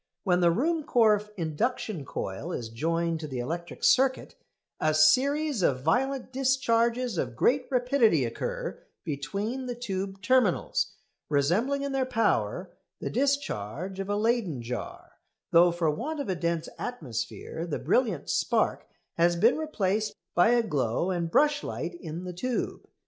When the Ruhmkorff induction coil is joined to the electric circuit a series of violent discharges of great rapidity occur between the tube terminals, resembling in their power the discharge of a Leyden jar, though for want of a dense atmosphere the brilliant spark has been replaced by a glow and brush light in the tube.